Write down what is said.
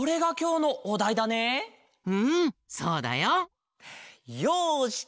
うんそうだよ。よし！